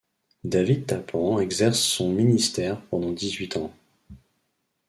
David Tappan exerce son ministère pendant dix-huit ans.